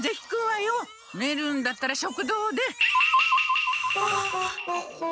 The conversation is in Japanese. ねるんだったら食堂で！